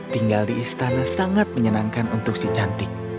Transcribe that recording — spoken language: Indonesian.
tinggal di istana sangat menyenangkan untuk si cantik